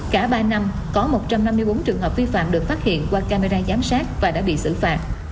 cả ba năm có một trăm năm mươi bốn trường hợp vi phạm được phát hiện qua camera giám sát và đã bị xử phạt